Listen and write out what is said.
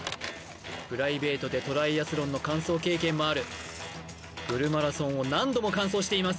プライベートでトライアスロンの完走経験もあるフルマラソンを何度も完走しています